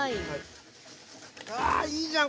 あいいじゃん。